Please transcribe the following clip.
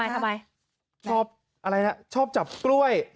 อะไรนะชอบจับกล้วย